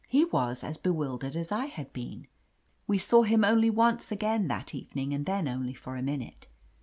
He was as bewildered as I had been. We saw him only once again that evening, and then only for a minute.